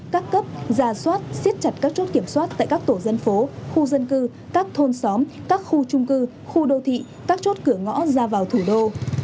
các cấp ra soát siết chặt các chốt kiểm soát tại các tổ dân phố khu dân cư các thôn xóm các khu trung cư khu đô thị các chốt cửa ngõ ra vào thủ đô